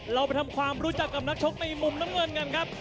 เราไปทำความรู้จักกับนักชกในมุมน้ำเงินกันครับ